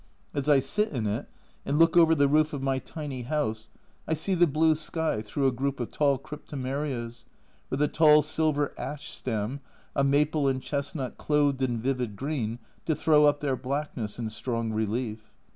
144 A Journal from Japan As I sit in it and look over the roof of my tiny house I see the blue sky through a group of tall crypto merias, with a tall silver ash stem, a maple and chestnut clothed in vivid green to throw up their blackness in strong relief.